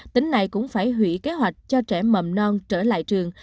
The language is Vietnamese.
tỉnh này cũng phải hủy kế hoạch cho trẻ mầm non trở lại trường